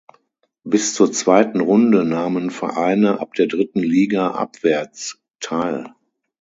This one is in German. Bis zur zweiten Runde nahmen Vereine ab der dritten Liga abwärts teil.